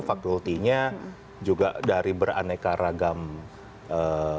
fakultinya juga dari beraneka ragam ee